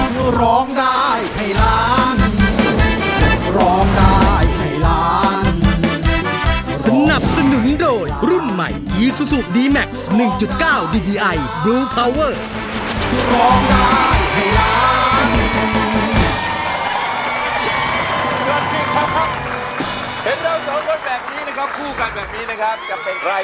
สามารถรับชมได้ทุกวัย